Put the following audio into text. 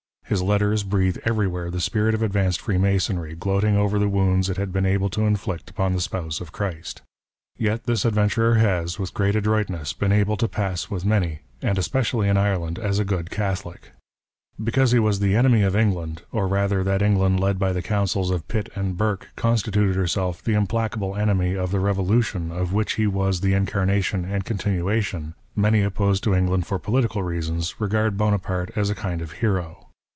His letters l)reathe everywhere the spirit of advanced Freemasonry, gloating over the wounds it had been able to inflict upon the Spouse of Christ. Yet this adven turer has, with great adroitness, been able to pass with many, and especially in Ireland, as a good Catholic. Because he was the enemy of England, or rather that England led by the counsels NArOLEON AND FREEMASONRY. 45 of Pitt and Burke constituted herself the imphicable enemy of the Revolution of which he was the incarnation and continuation, man j opposed to England for political reasons, regard Bonaparte as a kind of hero.